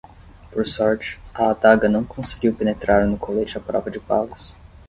Por sorte, a adaga não conseguiu penetrar no colete à prova de balas.